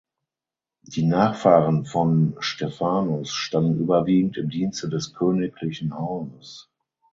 Die Nachfahren von Stephanus standen überwiegend im Dienste des Königlichen Hauses.